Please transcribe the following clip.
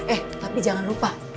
eh tapi jangan lupa